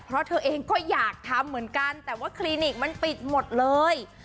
เพราะเธอเองก็อยากทำเหมือนกันแต่ว่าคลินิกมันปิดหมดเลย